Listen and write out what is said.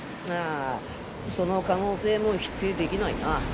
ああその可能性も否定できないな。